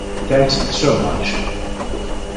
Thanks so much!